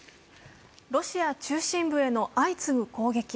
ロシア中心部への相次ぐ攻撃。